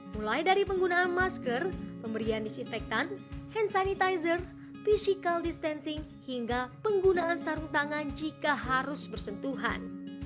mulai dari penggunaan masker pemberian disinfektan hand sanitizer physical distancing hingga penggunaan sarung tangan jika harus bersentuhan